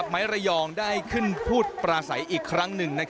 ไม้ระยองได้ขึ้นพูดปราศัยอีกครั้งหนึ่ง